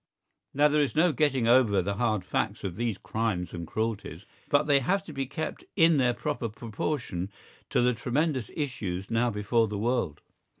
Now there is no getting over the hard facts of these crimes and cruelties. But they have to be kept in their proper proportion to the tremendous issues now before the world.